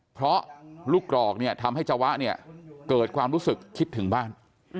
เพราะลูกกรอกเนี่ยทำให้เจ้าวะเนี่ยเกิดความรู้สึกคิดถึงบ้าน